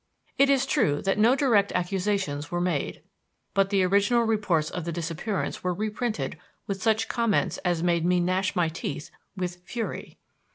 It is true that no direct accusations were made; but the original reports of the disappearance were reprinted with such comments as made me gnash my teeth with fury.